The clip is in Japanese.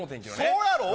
そうやろう！